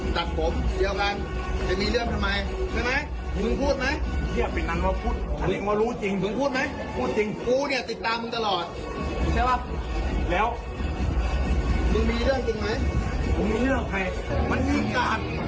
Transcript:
ลองไปดูคลิปกันหน่อยนะคะ